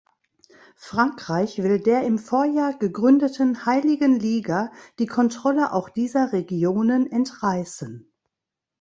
Frankreich will der im Vorjahr gegründeten Heiligen Liga die Kontrolle auch dieser Regionen entreißen.